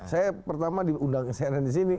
saya pertama diundang sna di sini